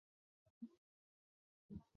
小紫果槭为槭树科槭属下的一个变种。